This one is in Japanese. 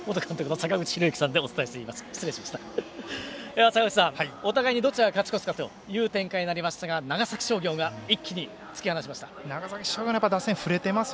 坂口さん、お互いにどちらが勝ちこすかという展開になりましたが長崎商業が一気に突き放しました。